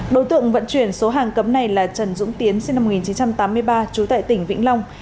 đối tượng vận chuyển số hàng cấm này là trần dũng tiến sinh năm một nghìn chín trăm tám mươi ba trú tại tỉnh vĩnh long